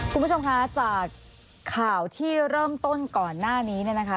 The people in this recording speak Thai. คุณผู้ชมคะจากข่าวที่เริ่มต้นก่อนหน้านี้เนี่ยนะคะ